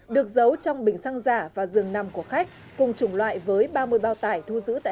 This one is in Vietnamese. được giấu trong bình xăng giả và giường nằm của khách cùng chủng loại với ba mươi bao tải thu giữ tại